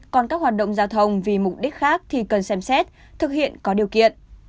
còn các hoạt động giao thông vì mục đích khác thì cần xem xét thực hiện có điều kiện